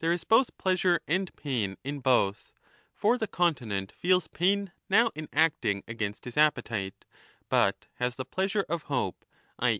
8 1224'' is both pleasure and pain in both ; for the continent feels pain now in acting against his appetite, but has the pleasure of hope, i.